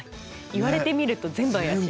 言われてみると全部怪しい。